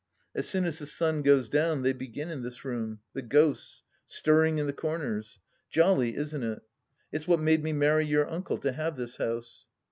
As soon as the sun goes down they begin in this room ... the ghosts ... stirring in the comers. Jolly, isn't it ? It's what made me marry your uncle, to have this house